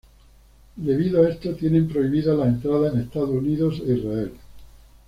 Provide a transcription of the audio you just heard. Debido a esto tiene prohibida la entrada en Estados Unidos e Israel.